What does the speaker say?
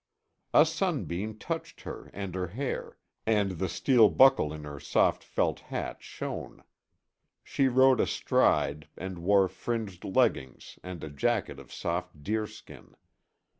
A sunbeam touched her and her hair, and the steel buckle in her soft felt hat shone. She rode astride and wore fringed leggings and a jacket of soft deerskin.